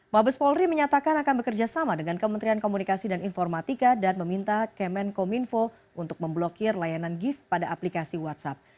mabes polri menyatakan akan bekerja sama dengan kementerian komunikasi dan informatika dan meminta kemenkominfo untuk memblokir layanan gift pada aplikasi whatsapp